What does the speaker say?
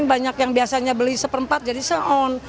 banyak yang biasanya beli seperempat jadi seon